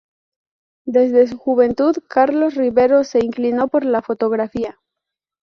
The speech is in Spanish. Desde su juventud, Carlos Rivero se inclinó por la fotografía.